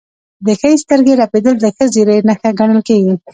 د ښي سترګې رپیدل د ښه زیری نښه ګڼل کیږي.